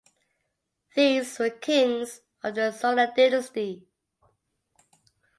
These were Kings of the Solar dynasty.